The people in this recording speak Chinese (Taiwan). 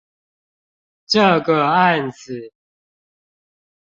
這個案子